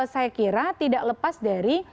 saya kira tidak lepas dari